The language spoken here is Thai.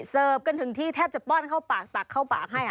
เสิร์ฟกันถึงที่แทบจะป้อนเข้าปากตักเข้าปากให้